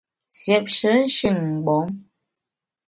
Siépshe nshin-mgbom !